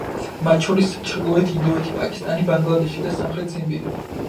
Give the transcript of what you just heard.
მათ შორის ჩრდილოეთ ინდოეთი, პაკისტანი, ბანგლადეში და სამხრეთ ციმბირი.